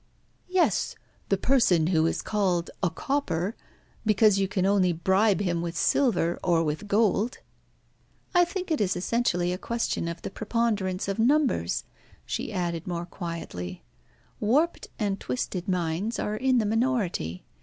"Yes. The person who is called a 'copper,' because you can only bribe him with silver, or with gold." "I think it is essentially a question of the preponderance of numbers," she added more quietly. "Warped and twisted minds are in the minority.